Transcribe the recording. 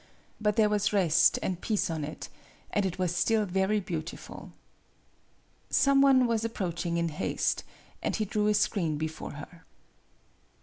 But there was rest and peace on it, and it was still very beautiful. Some one was approaching in haste, and he drew a screen before her.